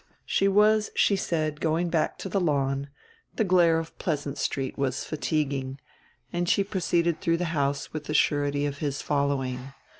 She was, she said, going back to the lawn, the glare of Pleasant Street was fatiguing; and she proceeded through the house with the surety of his following.